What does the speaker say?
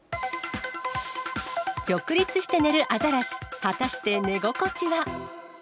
直立して寝るアザラシ、果たして寝心地は。